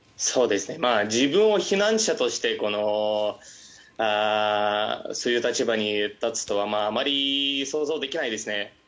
自分を避難者としてそういう立場に立つとはあまり想像できないですね。